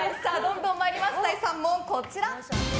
第３問、こちら。